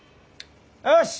よし！